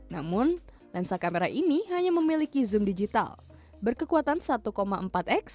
namun lensa kamera ini hanya memiliki zoom digital berkekuatan satu empat x